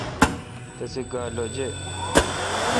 تسے گا لوجے°۔